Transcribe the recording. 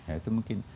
ya itu mungkin